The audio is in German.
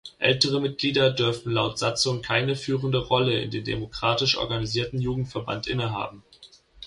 Ältere Mitglieder dürfen laut Satzung keine führende Rolle in dem demokratisch organisierten Jugendverband innehaben.